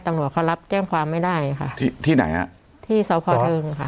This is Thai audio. ตำรวจเขารับแจ้งความไม่ได้ค่ะที่ที่ไหนฮะที่สพเทิงค่ะ